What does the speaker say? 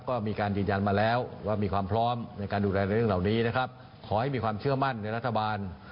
ก็มีการยืนยันมาแล้วว่ามีความพร้อมในการดูแลในเรื่องเหล่านี้นะครับขอให้มีความเชื่อมั่นในรัฐบาล